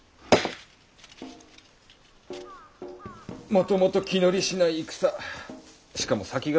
もともと気乗りしない戦しかも先が見えない。